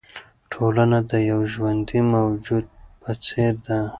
ټولنه د یوه ژوندي موجود په څېر ده.